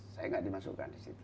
saya nggak dimasukkan di situ